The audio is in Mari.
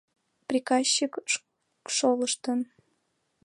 — Прикащик шолыштын.